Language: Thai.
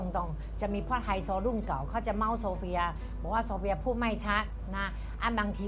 ต้องให้เขาธรรมชาติ